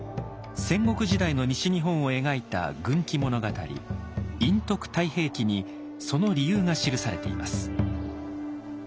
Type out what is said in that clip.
戦国時代の西日本を描いた軍記物語「陰徳太平記」にその理由が記されています。